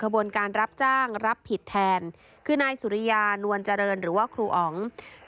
บนการรับจ้างรับผิดแทนคือนายสุริยานวลเจริญหรือว่าครูอ๋อง